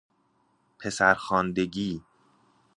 پسر خواندگی